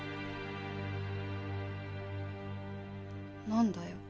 何だよ。